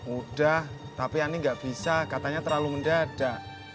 udah tapi ani nggak bisa katanya terlalu mendadak